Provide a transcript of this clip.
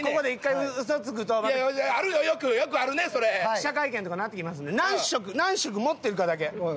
記者会見とかになってきますんで何色何色持ってるかだけ。